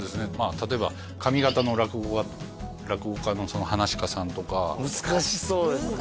例えば上方の落語家のはなし家さんとか難しそうですね